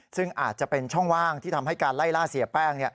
ซึ่งอาจจะเป็นช่องว่างที่ทำให้การไล่ล่าเสียแป้ง